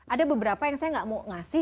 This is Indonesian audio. ada beberapa yang saya nggak mau ngasih